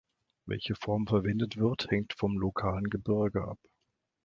Welche Form verwendet wird, hängt vom lokalen Gebirge ab.